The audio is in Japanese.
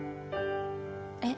えっ？